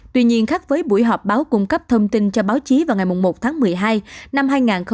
tuy nhiên khác với buổi họp báo cung cấp thông tin cho báo chí vào ngày một tháng một mươi hai năm hai nghìn hai mươi